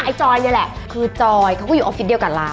จอยนี่แหละคือจอยเขาก็อยู่ออฟฟิศเดียวกับลาว